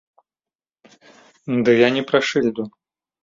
Ды я не пра шыльду.